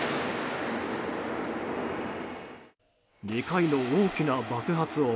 ２回の大きな爆発音。